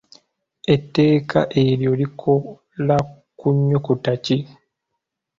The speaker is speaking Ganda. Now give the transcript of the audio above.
Etteeka eryo likola ku nnyukuta ki?